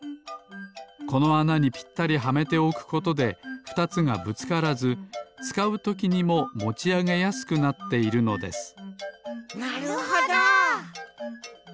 このあなにぴったりはめておくことで２つがぶつからずつかうときにももちあげやすくなっているのですなるほど。